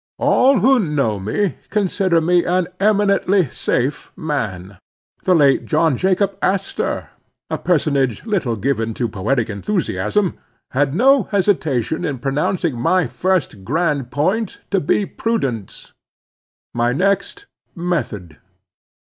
All who know me, consider me an eminently safe man. The late John Jacob Astor, a personage little given to poetic enthusiasm, had no hesitation in pronouncing my first grand point to be prudence; my next, method.